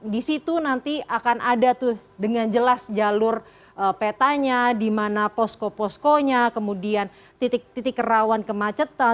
di situ nanti akan ada tuh dengan jelas jalur petanya di mana posko poskonya kemudian titik titik rawan kemacetan